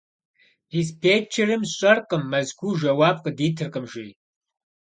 Диспетчерым: «СщӀэркъым, Мэзкуу жэуап къыдитыркъым», - жи.